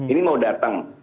ini mau datang